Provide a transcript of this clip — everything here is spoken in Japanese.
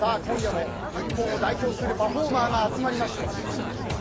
今夜も日本を代表するパフォーマーが集まりました。